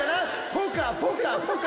ポカポカポカ！